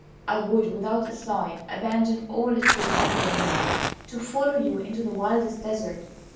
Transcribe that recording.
I would, without a sigh, abandon all it could offer me, to follow you into the wildest desert.